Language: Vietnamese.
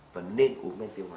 và nên uống men tiêu hóa